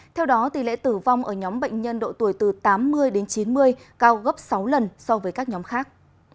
theo đó tỷ lệ tử vong ở nhóm bệnh nhân độ tuổi từ tám mươi đến chín mươi cao gấp sáu lần so với các nhóm khác